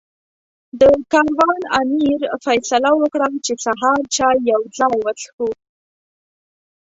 د کاروان امیر فیصله وکړه چې سهار چای یو ځای وڅښو.